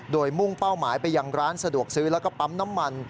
โดยมุ่งเป้าหมายไปยังร้านสะดวกซื้อแล้วก็ปั๊มน้ำมัน